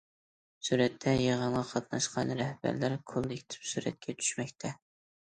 سۈرەتتە: يىغىنغا قاتناشقان رەھبەرلەر كوللېكتىپ سۈرەتكە چۈشمەكتە.